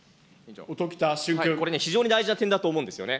これね、非常に大事な点だと思うんですよね。